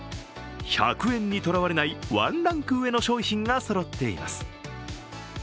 １００円にとらわれないワンランク上の商品がそろっています。